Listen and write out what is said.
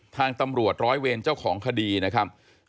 ทางตำรวจร้อยเวรเจ้าของคดีนะครับ